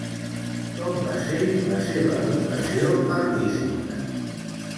Com va ser la seva educació artística?